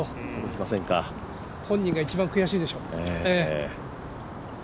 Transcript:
本人が一番悔しいでしょうね。